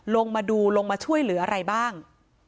ลงมาดูลงมาช่วยเหลืออะไรบ้าง